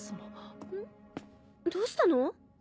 どうしたの？